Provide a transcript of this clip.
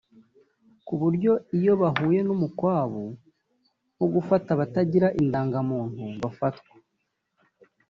ku buryo iyo bahuye n’umukwabu wo gufata abatagira indangamuntu bafatwa